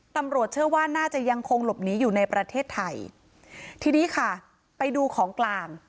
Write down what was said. ตำรวจเชื่อว่าน่าจะยังคงหลบหนีอยู่ในประเทศไทยทีนี้ค่ะไปดูของกลาง